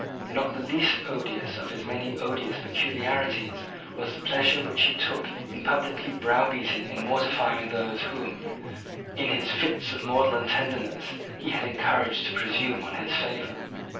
Not the least odious of his many odious peculiarities was the pleasure which he took in publicly browbeating and mortifying those whom, in his fits of maudlin tenderness, he had encouraged to presume on his favour.